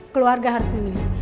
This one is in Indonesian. keluarga harus memilih